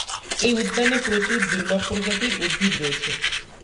এই উদ্যানে প্রচুর দূর্লভ প্রজাতির উদ্ভিদ রয়েছে।